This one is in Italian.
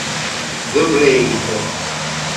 The Blade